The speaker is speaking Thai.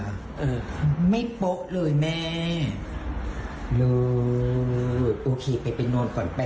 แม่แต่ผมไม่โป๊กเลยหมะเม่าแม่ไม่โป๊กเลยไม่โป๊กเลยม่า